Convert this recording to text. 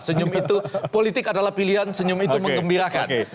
senyum itu politik adalah pilihan senyum itu mengembirakan